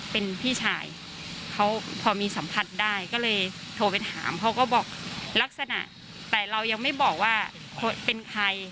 เป็นพี่ชายเขาพอมีสัมผัสได้ก็เลยโทรไปถามเขาก็บอกลักษณะแต่เรายังไม่บอกว่าเป็นใคร